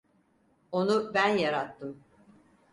Onu ben yarattım.